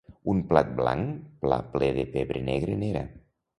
un plat blanc pla ple de pebre negre n'era